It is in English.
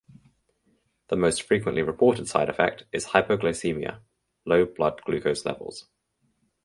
The most frequently reported side effect is hypoglycemia (low blood glucose levels).